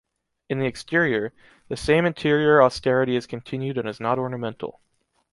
In the exterior, the same interior austerity is continued and is not ornamental.